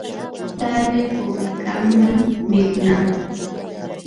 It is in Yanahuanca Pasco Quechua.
tarwi puquykannam mikunapaq.